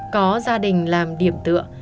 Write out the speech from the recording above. có gia đình làm điểm tựa